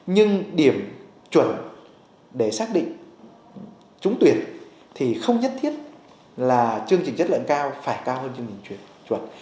nhưng điểm chuẩn để xác định trúng tuyển thì không nhất thiết là chương trình chất lượng cao phải cao hơn chương trình chuẩn